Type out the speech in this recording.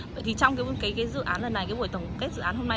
vậy thì trong cái dự án lần này cái buổi tổng kết dự án hôm nay